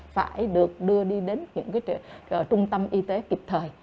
phải được đưa đi đến những trung tâm y tế kịp thời